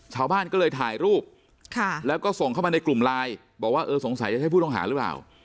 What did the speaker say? ชาวบ้านก็เลยถ่ายรูปแล้วก็ส่งเข้ามาในกลุ่มไลน์บอกว่าเออสงสัยจะใช่ผู้ต้องหาหรือเปล่า